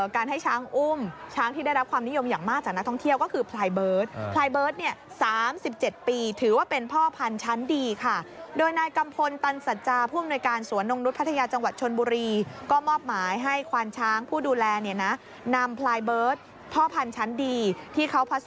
การให้ช้างอุ้มช้างที่ได้รับความนิยมอย่างมาก